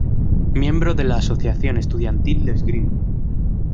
Miembro de la Asociación Estudiantil de Esgrima.